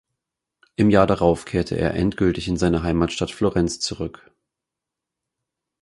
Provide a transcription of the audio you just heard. Im Jahr darauf kehrte er endgültig in seine Heimatstadt Florenz zurück.